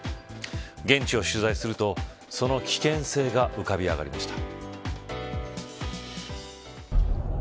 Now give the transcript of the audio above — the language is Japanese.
現地を取材すると、その危険性が浮かび上がりました。